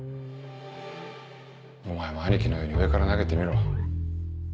お前も兄貴のように上から投げてみろ。